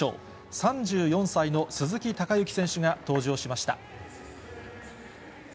３４歳の鈴木孝幸選手が登場しました。